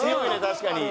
確かに。